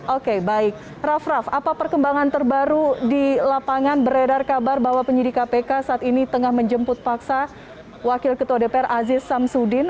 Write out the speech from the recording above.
oke baik raff raff apa perkembangan terbaru di lapangan beredar kabar bahwa penyidik kpk saat ini tengah menjemput paksa wakil ketua dpr aziz samsudin